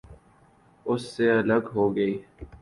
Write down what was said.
اس سے الگ ہو گئی۔